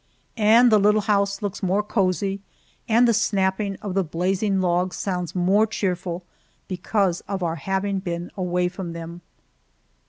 And the little house looks more cozy, and the snapping of the blazing logs sounds more cheerful because of our having been away from them.